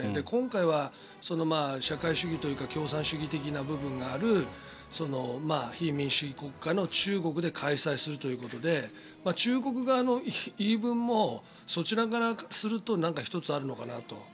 今回は社会主義というか共産主義的な部分がある非民主主義国家の中国で開催するということで中国側の言い分もそちらからすると１つあるのかなと。